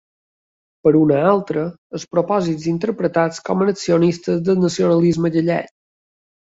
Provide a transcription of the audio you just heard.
Per una altra, els propòsits interpretats com a annexionistes del nacionalisme gallec.